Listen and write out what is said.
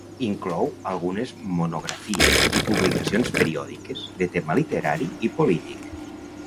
Inclou algunes monografies i publicacions periòdiques de tema literari i polític.